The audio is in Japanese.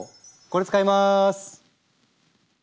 これ使います！